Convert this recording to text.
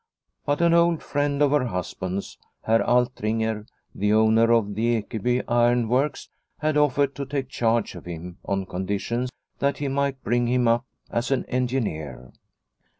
But an old friend of her husband's, Herr Altringer, the owner of the Ekeby ironworks, had offered to take charge of him on condition that he might bring him up as an engineer.